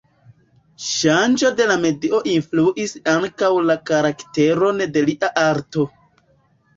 Ŝanĝo de la medio influis ankaŭ la karakteron de lia arto.